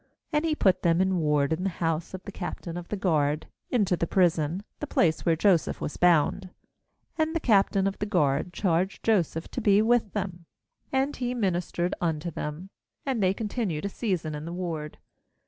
3And he put them in ward in the house of the captain of the guard, into the prison, the place where Joseph was bound. 4And the captain of the guard charged Joseph to be with them, and he ministered unto them; and they continued a season in ward.